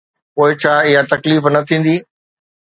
پوءِ ڇا اها تڪليف نه ٿيندي؟